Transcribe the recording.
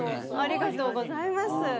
ありがとうございます。